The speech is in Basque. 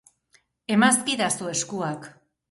Emazkidazu eskuak.